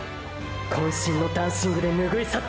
渾身のダンシングでぬぐい去った！！